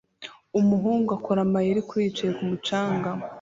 Umuhungu akora amayeri kuri yicaye kumu canga